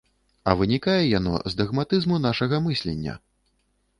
А вынікае яно з дагматызму нашага мыслення.